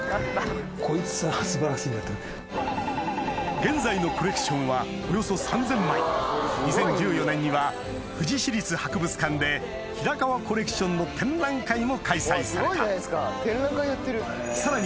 現在のコレクションはおよそ３０００枚２０１４年には富士市立博物館で平川コレクションの展覧会も開催されたさらに